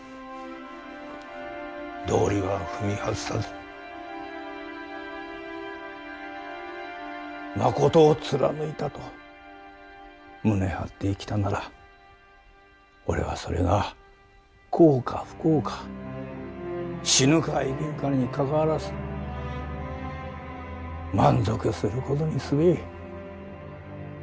道理は踏み外さずまことを貫いたと胸張って生きたなら俺は、それが幸か不幸か死ぬか生きるかにかかわらず満足することにすべえ。